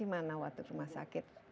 gimana waktu rumah sakit